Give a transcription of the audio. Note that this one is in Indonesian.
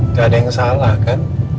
nggak ada yang salah kan